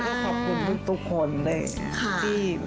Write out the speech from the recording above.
ป้าก็ขอบคุณทุกคนเลย